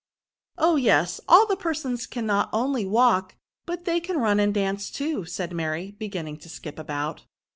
'' Oh yes ; all the persons can not only walk, but they can run and dance too,'* said Mary, beginning to skip about.